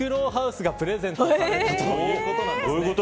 巣がプレゼントされたということなんですね。